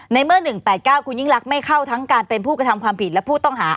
ในเมื่อ๑๘๙คุณยิ่งรักไม่เข้าทั้งการเป็นผู้กระทำความผิดและผู้ต้องหา